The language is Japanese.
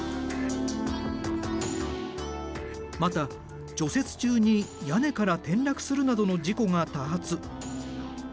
また除雪中に屋根から転落するなどの事故が多発。